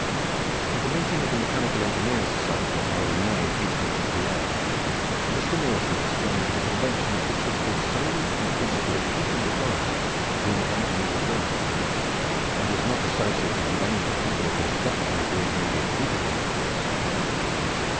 At the meeting of the Mechanical Engineers' Society held in May, 1859, Mr. Neilson explained that his invention consisted solely in the principle of heating the blast between the engine and the furnace, and was not associated with any particular construction of the intermediate heating apparatus.